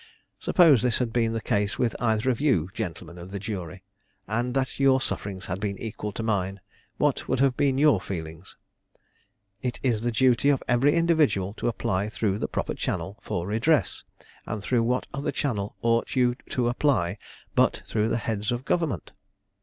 Suppose this had been the case with either of you, gentlemen of the jury, and that your sufferings had been equal to mine, what would have been your feelings? It is the duty of every individual to apply through the proper channel for redress, and through what other channel ought you to apply but through the heads of government?